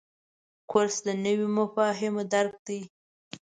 کورس د نویو مفاهیمو درک دی.